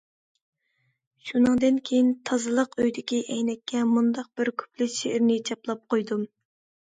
شۇنىڭدىن كېيىن تازىلىق ئۆيىدىكى ئەينەككە مۇنداق بىر كۇپلېت شېئىرنى چاپلاپ قويدۇم.